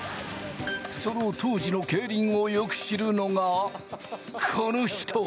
その当時の競輪をよく知るのが、この人！